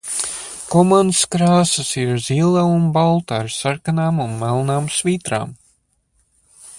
Komandas krāsas ir zila un balta ar sarkanām un melnām svītrām.